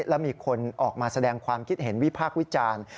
และมีคนออกมาแสดงความคิดเห็นวิพากษ์วิจารณ์